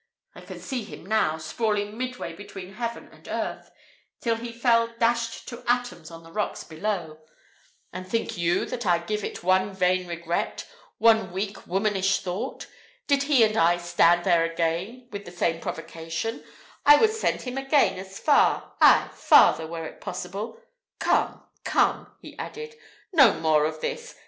I can see him now, sprawling midway between heaven and earth, till he fell dashed to atoms on the rocks below. And think you that I give it one vain regret, one weak womanish thought? Did he and I stand there again, with the same provocation, I would send him again as far ay, farther, were it possible. Come come," he added, "no more of this!